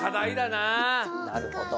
なるほど。